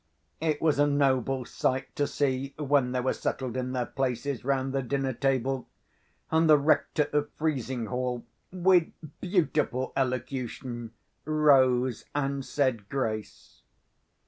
It was a noble sight to see, when they were settled in their places round the dinner table, and the Rector of Frizinghall (with beautiful elocution) rose and said grace.